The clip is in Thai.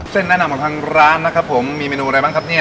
แนะนำของทางร้านนะครับผมมีเมนูอะไรบ้างครับเนี่ย